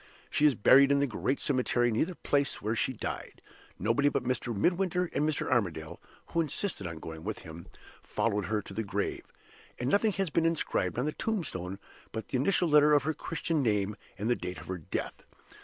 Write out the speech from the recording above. She is buried in the great cemetery, near the place where she died. Nobody but Mr. Midwinter and Mr. Armadale (who insisted on going with him) followed her to the grave; and nothing has been inscribed on the tombstone but the initial letter of her Christian name and the date of her death.